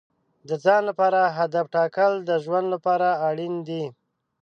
د ځان لپاره هدف ټاکل د ژوند لپاره اړین دي.